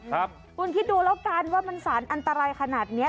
คุณคิดดูแล้วกันว่ามันสารอันตรายขนาดเนี้ย